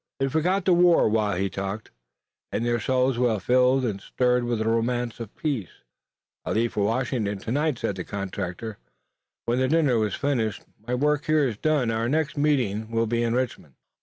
They forgot the war while he talked, and their souls were filled and stirred with the romance of peace. "I leave for Washington tonight," said the contractor, when the dinner was finished. "My work here is done. Our next meeting will be in Richmond."